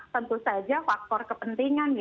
tentu saja faktor kepentingan